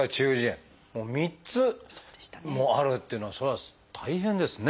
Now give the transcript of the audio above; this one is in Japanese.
もう３つもあるっていうのはそれは大変ですね。